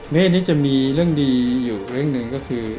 นี้จะมีเรื่องดีอยู่เรื่องหนึ่งก็คือ